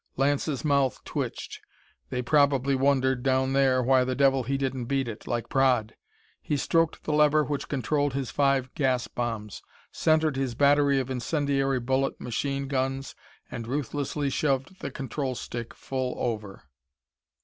Lance's mouth twitched. They probably wondered, down there, why the devil he didn't beat it like Praed! He stroked the lever which controlled his five gas bombs, centered his battery of incendiary bullet machine guns and ruthlessly shoved the control stick full over.